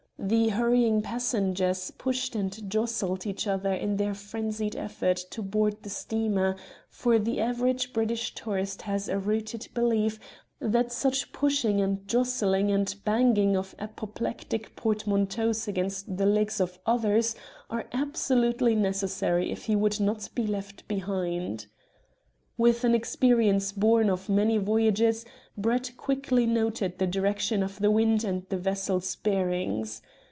The hurrying passengers pushed and jostled each other in their frenzied efforts to board the steamer, for the average British tourist has a rooted belief that such pushing and jostling and banging of apoplectic portmanteaus against the legs of others are absolutely necessary if he would not be left behind. With an experience born of many voyages, Brett quickly noted the direction of the wind and the vessel's bearings.